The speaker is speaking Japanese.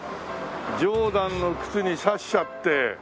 ジョーダンの靴に挿しちゃって。